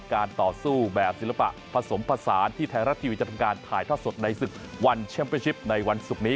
การต่อสู้แบบศิลปะผสมผสานที่ไทยรัฐทีวีจะทำการถ่ายทอดสดในศึกวันแชมเปอร์ชิปในวันศุกร์นี้